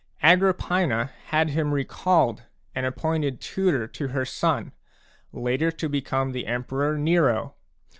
Agrippina had him recalled and ap pointed tutor to her young son, later to become the Emperor Nero.